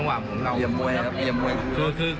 กระตุกเมื่อยครับเหลี่ยมเมื่อยครับ